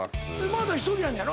まだ１人やねんやろ？